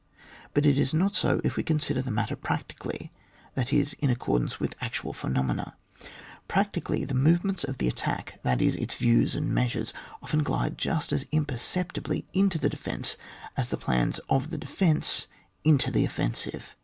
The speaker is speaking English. But it is not so if we consider the matter prac tically, that is in accordance with actual phenomena. Practically the moments of the attack, that is, its views and measures, often glide just as imperceptibly into the defence as the plans of the defence into the offensive.